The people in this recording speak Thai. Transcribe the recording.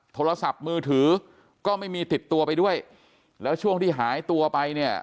โทรศัพท์มือถือก็ไม่มีติดตัวไปด้วยแล้วช่วงที่หายตัวไปเนี่ย